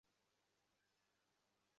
প্রাণীদের অনুসরণ করো।